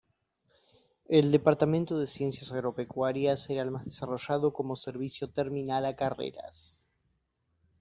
El Departamento de Ciencias Agropecuarias era el más desarrollado como servicio terminal a carreras.